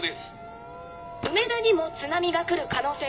「梅田にも津波が来る可能性があるんですね？」。